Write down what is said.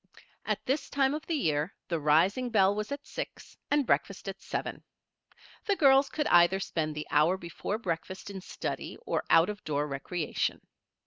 At this time of the year the rising bell was at six and breakfast at seven. The girls could either spend the hour before breakfast in study or out of door recreation.